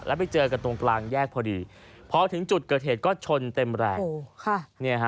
แล้วไปเจอกันตรงกลางแยกพอดีพอถึงจุดเกิดเหตุก็ชนเต็มแรง